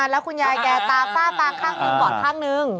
แล้วคุณยายแกตาฝ้าฟางข้างหนึ่งบอดข้างนึง